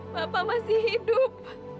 bapak masih hidup